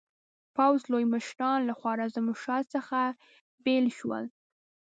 پوځ لوی مشران له خوارزمشاه څخه بېل شول.